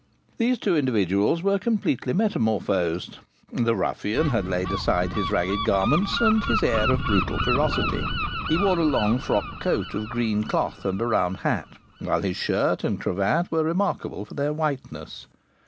These two individuals were completely metamorphosed. The ruffian had laid aside his ragged garments and his air of brutal ferocity. He wore a long frock coat of green cloth, and a round hat; whilst his shirt and cravat were remarkable for their whiteness.